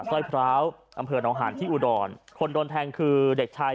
สร้อยพร้าวอำเภอหนองหานที่อุดรคนโดนแทงคือเด็กชาย